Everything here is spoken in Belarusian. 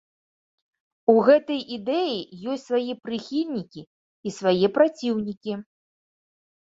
У гэтай ідэі ёсць свае прыхільнікі і свае праціўнікі.